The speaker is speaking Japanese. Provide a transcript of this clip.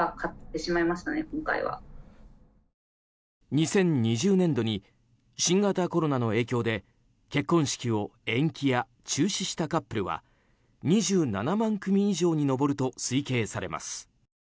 ２０２０年度に新型コロナの影響で結婚式を延期や中止したカップルは２７万組以上に上ると推計されます。